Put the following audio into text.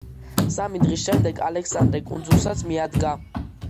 სამი დღის შემდეგ ალექსანდრე კუნძულსაც მიადგა.